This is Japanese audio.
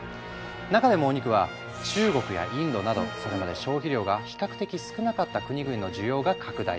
中でもお肉は中国やインドなどそれまで消費量が比較的少なかった国々の需要が拡大。